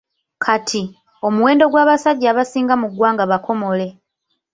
Kati, omuwendo gw'abasajja abasinga mu ggwanga bakomole.